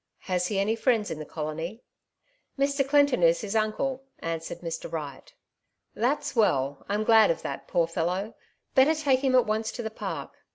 Has he any friends in the colony ?" ''Mr. Clinton is his uncle," answered Mr. Wright. "That's well! Tm glad of that, poor fellow 1 Better take him at once to the Park."